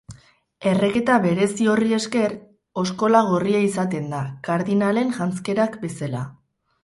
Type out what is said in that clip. Erreketa berezi horri esker, oskola gorria izaten da, kardinalen janzkerak bezala.